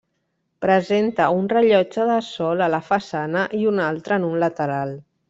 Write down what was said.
Presenta un rellotge de sol a la façana i un altre en un lateral.